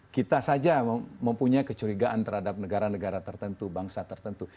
kita saja mempunyai kecurigaan terhadap negara negara tertentu bangsa tertentu